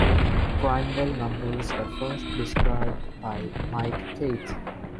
Primeval numbers were first described by Mike Keith.